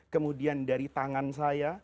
kemudian dari tangan saya